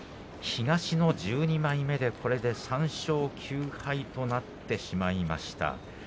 東の１２枚目で３勝９敗となってしまいました